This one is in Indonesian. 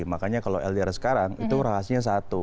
makanya kalau ldr sekarang itu rahasia satu